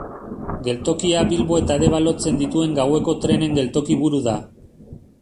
Geltokia Bilbo eta Deba lotzen dituen gaueko trenen geltoki-buru da.